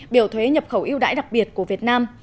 biểu thuế nhập khẩu yêu đãi đặc biệt của việt nam